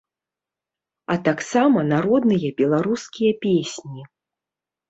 А таксама народныя беларускія песні.